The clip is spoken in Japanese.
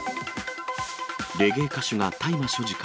レゲエ歌手が大麻所持か。